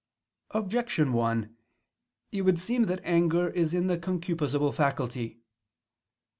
Objection 1: It would seem that anger is in the concupiscible faculty.